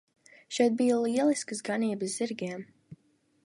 Šeit bija lieliskas ganības zirgiem.